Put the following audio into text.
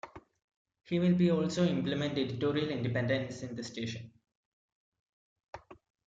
He will be also implement editorial independence in the station.